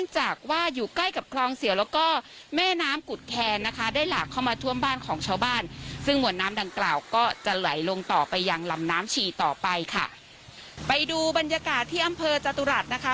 ชาวบ้านซึ่งหมวดน้ำดังกล่าวก็จะไหลลงต่อไปยังลำน้ำฉีต่อไปค่ะไปดูบรรยากาศที่อำเภอจตุรัสนะคะ